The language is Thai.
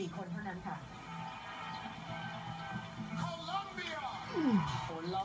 ข้อมูลเข้ามาดูครับ